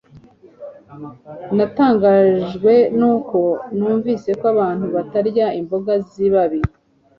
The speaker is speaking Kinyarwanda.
Natangajwe nuko numvise ko abantu batarya imboga zibabi